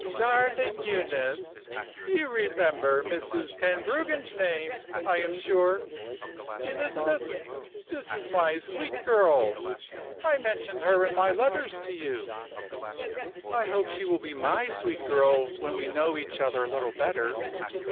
"Darling Euneece, you remember Mrs. Tenbruggen's name, I am sure? Elizabeth, this is my sweet girl; I mentioned her in my letters to you." "I hope she will be my sweet girl, when we know each other a little better.